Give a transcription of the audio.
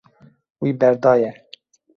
Wî berdaye.